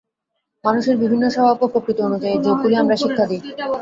মানুষের বিভিন্ন স্বভাব ও প্রকৃতি অনুযায়ী যোগগুলি আমরা শিক্ষা দিই।